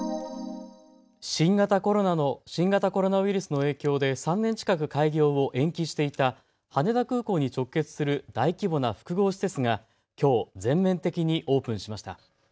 新型コロナウイルスの影響で３年近く開業を延期していた羽田空港に直結する大規模な複合施設がきょう全面的にオープンしました。